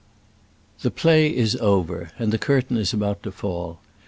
The play is over, and the curtain is about to fall.